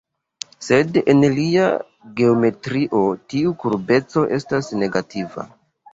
Sed en lia geometrio tiu kurbeco estas negativa.